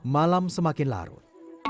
malam semakin larut